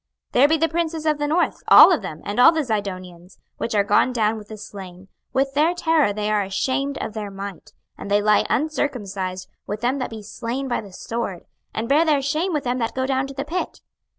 26:032:030 There be the princes of the north, all of them, and all the Zidonians, which are gone down with the slain; with their terror they are ashamed of their might; and they lie uncircumcised with them that be slain by the sword, and bear their shame with them that go down to the pit.